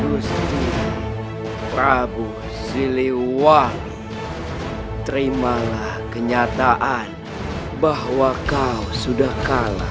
gusti prabu ziliwang terimalah kenyataan bahwa kau sudah kalah